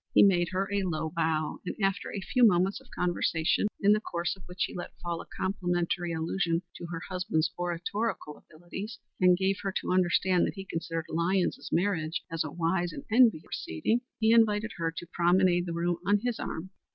He made her a low bow and, after a few moments of conversation, in the course of which he let fall a complimentary allusion to her husband's oratorical abilities and gave her to understand that he considered Lyons's marriage as a wise and enviable proceeding, he invited her to promenade the room on his arm.